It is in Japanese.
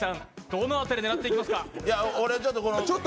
どの辺り、狙っていきますか？